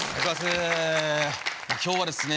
今日はですね